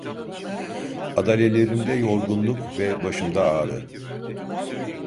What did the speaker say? Adalelerimde yorgunluk ve başımda ağrı…